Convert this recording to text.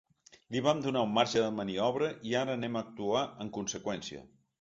Li vam donar un marge de maniobra i ara anem a actuar en conseqüència.